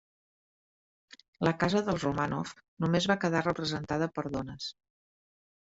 La casa dels Romànov només va quedar representada per dones.